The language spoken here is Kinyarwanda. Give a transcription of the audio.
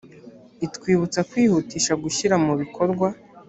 itwibutsa kwihutisha gushyira mu bikorwa .